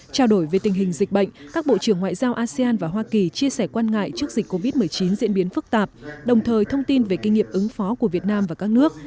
trao đổi về tình hình dịch bệnh các bộ trưởng ngoại giao asean và hoa kỳ chia sẻ quan ngại trước dịch covid một mươi chín diễn biến phức tạp đồng thời thông tin về kinh nghiệm ứng phó của việt nam và các nước